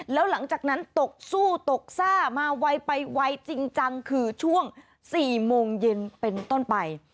แล้วหลังจากนั้นตกสู้ตกซ่ามาไวไปไวจริงจังคือช่วง๔โมงเย็นเป็นต้นไป